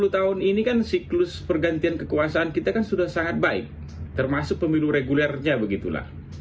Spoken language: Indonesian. sepuluh tahun ini kan siklus pergantian kekuasaan kita kan sudah sangat baik termasuk pemilu regulernya begitulah